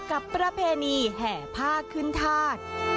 กับประเพณีแห่ผ้าขึ้นทาส